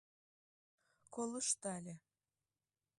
Колыштале.